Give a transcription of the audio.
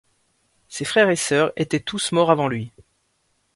Ses frères et sœurs étaient tous morts avant lui.